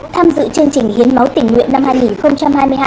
tham dự chương trình hiến máu tỉnh nguyễn năm hai nghìn hai mươi hai